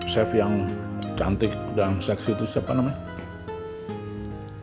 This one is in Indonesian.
chef yang cantik dan seksi itu siapa namanya